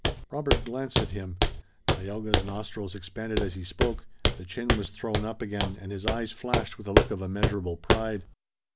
Robert glanced at him. Tayoga's nostrils expanded as he spoke, the chin was thrown up again and his eyes flashed with a look of immeasurable pride.